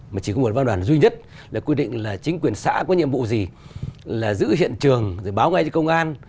mà chỉ có một văn bản duy nhất là quy định là chính quyền xã có nhiệm vụ gì là giữ hiện trường rồi báo ngay cho công an